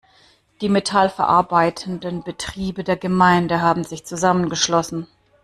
Die Metall verarbeitenden Betriebe der Gemeinde haben sich zusammengeschlossen.